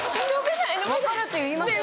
「分かる」って言いましたよね。